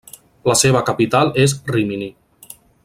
La seva capital és Rímini.